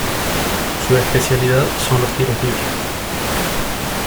Su especialidad son los tiros libres.